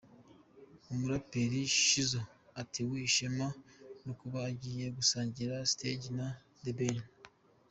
Umuraperi Shizzo atewe ishema no kuba agiye gusangira stage na The Ben.